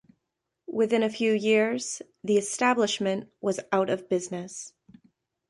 Within a few years, the establishment was out of business.